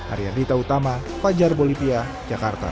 arya dita utama fajar bolivia jakarta